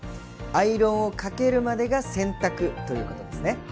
アイロンをかけるまでが洗濯！ということですね。